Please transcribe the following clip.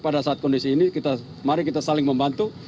pada saat kondisi ini mari kita saling membantu